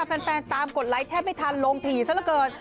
แฟนตามกดไลค์แทบไม่ทันลงถี่ซะละเกิน